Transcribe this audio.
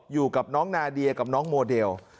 อยู่กับน้องนาเดียกับน้องโมเดล